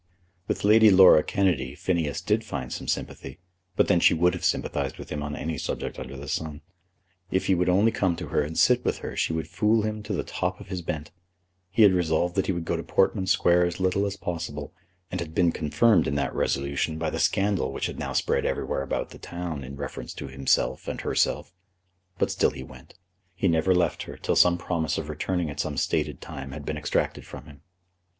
With Lady Laura Kennedy, Phineas did find some sympathy; but then she would have sympathised with him on any subject under the sun. If he would only come to her and sit with her she would fool him to the top of his bent. He had resolved that he would go to Portman Square as little as possible, and had been confirmed in that resolution by the scandal which had now spread everywhere about the town in reference to himself and herself. But still he went. He never left her till some promise of returning at some stated time had been extracted from him.